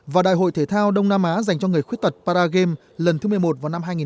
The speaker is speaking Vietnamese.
và đại hội thể thao đông nam á dành cho người khuyết tật paragame lần thứ một mươi một vào năm nay